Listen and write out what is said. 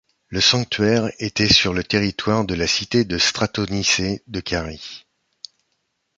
Le sanctuaire était sur le territoire de la cité de Stratonicée de Carie.